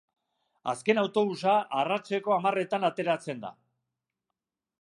Azken autobusa arratseko hamarretan ateratzen da.